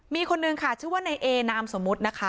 มีคนนึงค่ะชื่อว่าในเอนามสมมุตินะคะ